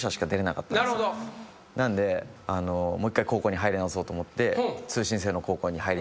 なのでもう一回高校に入り直そうと思って。